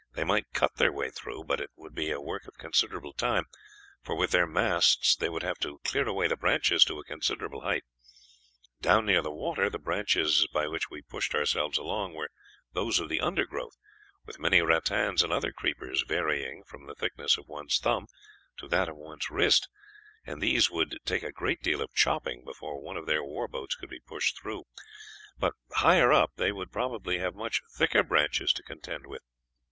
They might cut their way through, but it would be a work of considerable time, for with their masts they would have to clear away the branches to a considerable height. Down near the water the branches by which we pushed ourselves along were those of the undergrowth, with many rattans and other creepers varying from the thickness of one's thumb to that of one's wrist, and these would take a great deal of chopping before one of their war boats could be pushed through, but higher up they would probably have much thicker branches to contend with.